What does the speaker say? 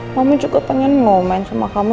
kamu juga pengen mau main sama kamu